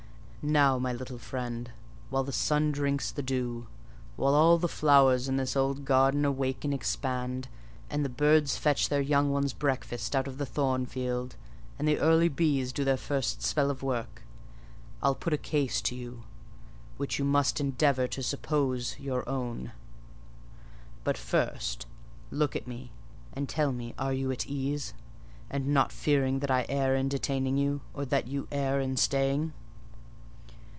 "Now, my little friend, while the sun drinks the dew—while all the flowers in this old garden awake and expand, and the birds fetch their young ones' breakfast out of the Thornfield, and the early bees do their first spell of work—I'll put a case to you, which you must endeavour to suppose your own: but first, look at me, and tell me you are at ease, and not fearing that I err in detaining you, or that you err in staying."